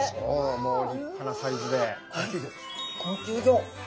もう立派なサイズで高級魚！